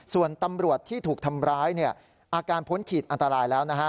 ส่วนตำรวจที่ถูกทำร้ายเนี่ยอาการพ้นขีดอันตรายแล้วนะฮะ